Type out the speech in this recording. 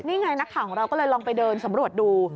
นี่ไงนักข่าวของเราก็เลยลองไปเดินสำรวจดู